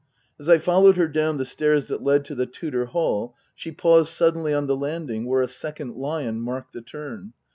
As I followed her down the stairs that led to the Tudor hall she paused suddenly on the landing where a second lion marked the turn.